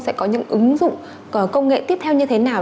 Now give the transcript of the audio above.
sẽ có những ứng dụng công nghệ tiếp theo như thế nào